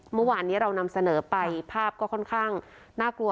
เมื่อวานนี้เรานำเสนอไปภาพก็ค่อนข้างน่ากลัว